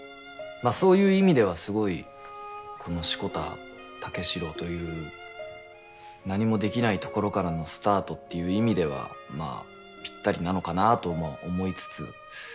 そういう意味ではすごい志子田武四郎という何もできないところからのスタートっていう意味ではぴったりなのかなとも思いつつ。